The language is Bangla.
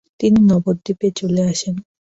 তিনি নবদ্বীপে চলে আসেন।